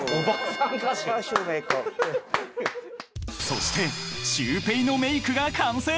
［そしてシュウペイのメークが完成］